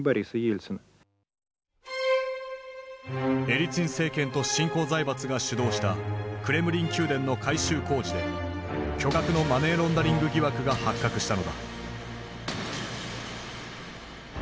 エリツィン政権と新興財閥が主導したクレムリン宮殿の改修工事で巨額のマネーロンダリング疑惑が発覚したのだ。